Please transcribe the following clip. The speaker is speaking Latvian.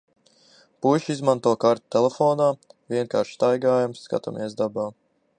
Puiši izmanto karti telefonā. Vienkārši staigājam, skatāmies dabā.